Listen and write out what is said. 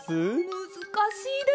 むずかしいです。